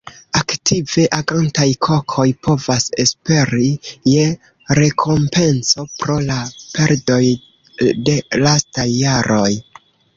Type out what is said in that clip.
Aktive agantaj Kokoj povas esperi je rekompenco pro la perdoj de lastaj jaroj.